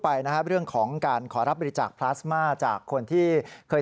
ไปนะครับเรื่องของการขอรับบริจาคพลาสมาจากคนที่เคย